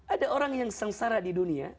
ada orang yang sengsara di dunia